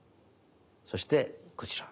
そしてこちら。